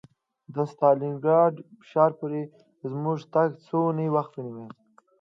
تر ستالینګراډ ښار پورې زموږ تګ څو اونۍ وخت ونیو